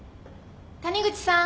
・谷口さん。